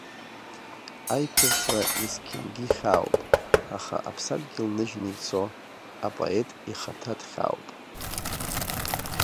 Аиԥырҵра есқьынгьы ихьаауп, аха аԥсадгьыл ныжьны ицо, апоет ихаҭа дхьаауп.